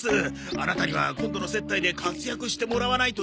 あなたには今度の接待で活躍してもらわないといけないんです。